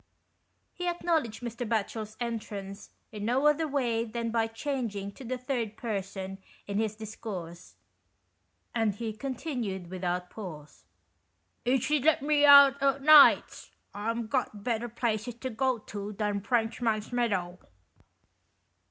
He acknow ledged Mr. Batchel's entrance in no other way than by changing to the third person in his discourse, and he continued without pause —" if she'd let me out o' nights, I'm got better places to go to than Frenchman's Meadow.